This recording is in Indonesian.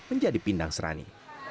menjadi pindang serani